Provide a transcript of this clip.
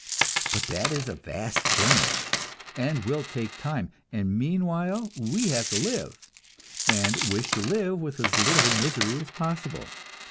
But that is a vast change, and will take time, and meanwhile we have to live, and wish to live with as little misery as possible.